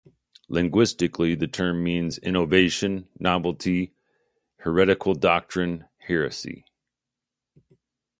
Linguistically the term means "innovation, novelty, heretical doctrine, heresy".